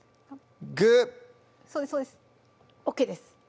そうですＯＫです